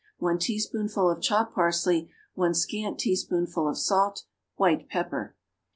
1 teaspoonful of chopped parsley. 1 scant teaspoonful of salt. White pepper.